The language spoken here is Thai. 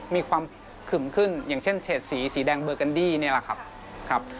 มีความขึมขึ้นอย่างเช่นเฉดสีสีแดงเบอร์กันดี้นี่แหละครับ